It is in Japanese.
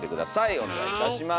お願いいたします。